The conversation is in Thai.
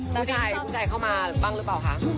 ผู้ชายเข้ามาบ้างหรือเปล่าคะ